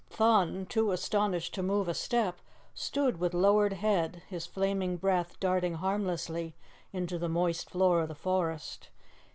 Thun, too astonished to move a step, stood with lowered head, his flaming breath darting harmlessly into the moist floor of the forest.